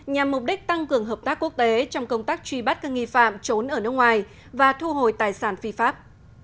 nhằm mục đích tăng cường hợp tác quốc tế trong công tác truy bắt các nghi phạm trốn ở nước ngoài và thu hồi tài sản phi pháp